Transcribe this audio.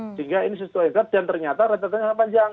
sehingga ini sesuai zat dan ternyata retaknya panjang